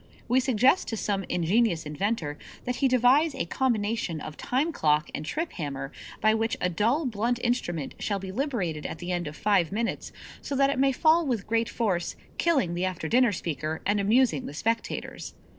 We suggest to some ingenious inventor that he devise a combination of time clock and trip hammer by which a dull, blunt instrument shall be liberated at the end of five minutes so that it may fall with great force, killing the after dinner speaker and amusing the spectators.